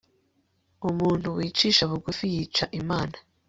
Umuntu wicisha bugufi yica imana